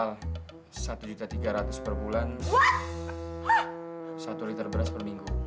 lupa pangeran sorry pangeran